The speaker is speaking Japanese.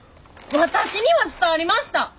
私には伝わりました！